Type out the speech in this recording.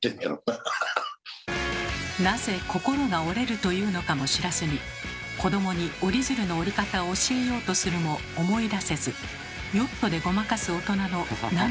なぜ「心が折れる」と言うのかも知らずに子どもに折り鶴の折り方を教えようとするも思い出せずヨットでごまかす大人のなんと多いことか。